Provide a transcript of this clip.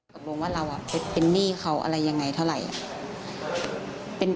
ตกลงว่าเราเป็นหนี้เขาอะไรยังไงเท่าไหร่